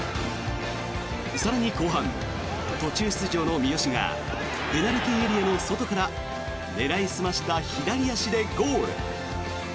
更に後半、途中出場の三好がペナルティーエリアの外から狙い澄ました左足でゴール。